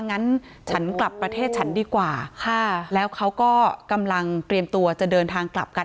งั้นฉันกลับประเทศฉันดีกว่าค่ะแล้วเขาก็กำลังเตรียมตัวจะเดินทางกลับกัน